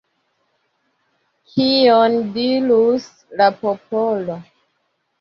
Kion dirus la popolo?